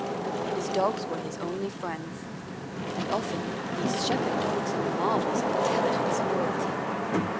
His dogs were his only friends, and often these shepherd dogs are marvels of intelligence and loyalty.